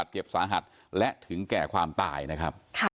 เจ็บสาหัสและถึงแก่ความตายนะครับ